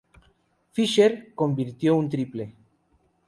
Fisher convirtió un triple.